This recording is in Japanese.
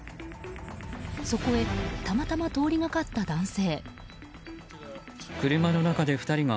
そこへたまたま通りがかった男性。